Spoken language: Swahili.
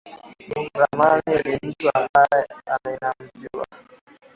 Rahma ni mtu ambaye ninamjua